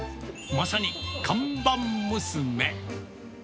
まさに看板娘。